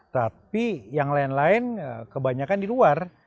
tapi yang lain lain kebanyakan di luar